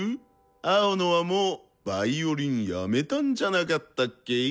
青野はもうヴァイオリンやめたんじゃなかったっけ？